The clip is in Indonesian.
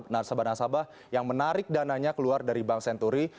nasabah nasabah yang menarik dananya keluar dari bank senturi